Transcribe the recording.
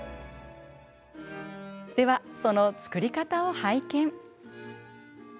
では、その作り方を拝見。